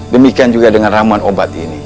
demikian juga dengan ramuan obat ini